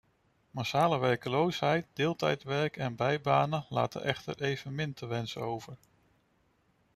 Massale werkloosheid, deeltijdwerk en bijbanen laten echter evenmin te wensen over.